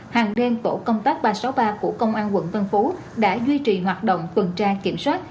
hàng đêm tổ công tác ba trăm sáu mươi ba của công an quận tân phú đã duy trì hoạt động tuần tra kiểm soát